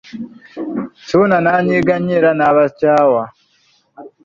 Ssuuna n’anyiiga nnyo era n’abakyawa.